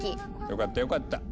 よかったよかった。